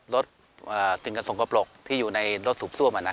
รถสิ่งกระทรงกระปรกที่อยู่ในรถสูบซ่วม